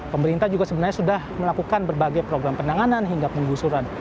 pemerintah juga sebenarnya sudah melakukan berbagai program penanganan hingga penggusuran